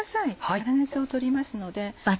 粗熱を取りますので。